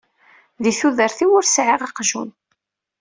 Di tudert-iw ur sɛiɣ aqjun.